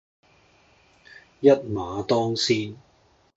一馬當先